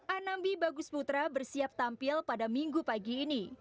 anambi bagus putra bersiap tampil pada minggu pagi ini